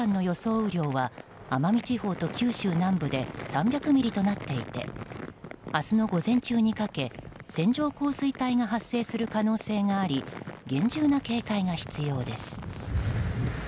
雨量は奄美地方と九州南部で３００ミリとなっていて明日の午前中にかけ線状降水帯が発生する可能性があり厳重な警戒が必要です。